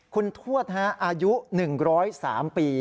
คุณทวดอายุ๑๐๓ปี